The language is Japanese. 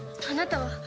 あなたは。